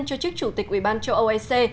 cho chức chủ tịch ủy ban châu âu ec